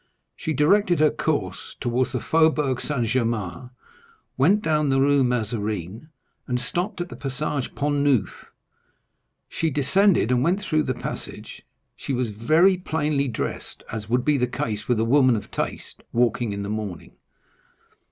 She directed her course towards the Faubourg Saint Germain, went down the Rue Mazarine, and stopped at the Passage du Pont Neuf. She descended, and went through the passage. She was very plainly dressed, as would be the case with a woman of taste walking in the morning.